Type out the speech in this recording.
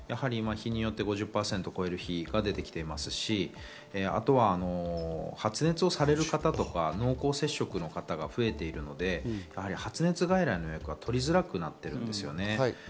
日によって５０％を超える日も出てきていますし、あとは発熱をされる方、濃厚接触者の方が増えているので、発熱外来の予約が取りづらくなっているんですよね。